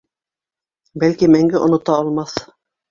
Бәлки, мәңге онота алмаҫ.